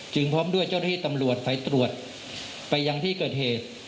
พร้อมด้วยเจ้าหน้าที่ตำรวจไปตรวจไปยังที่เกิดเหตุ